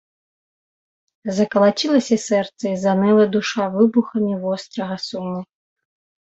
Закалацілася сэрца і заныла душа выбухамі вострага суму.